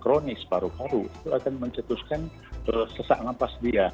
kronis paru paru itu akan mencetuskan sesak nafas dia